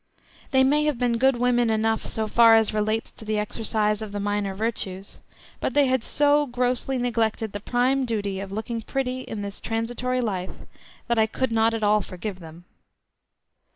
They may have been good women enough so far as relates to the exercise of the minor virtues, but they had so grossly neglected the prime duty of looking pretty in this transitory life, that I could not at all forgive them.